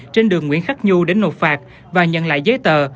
trên đường nguyễn khắc nhu đến nộp phạt và nhận lại giấy tờ